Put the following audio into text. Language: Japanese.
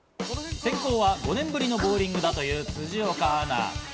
先行は５年ぶりのボウリングだという辻岡アナ。